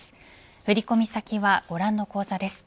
振り込み先はご覧の口座です。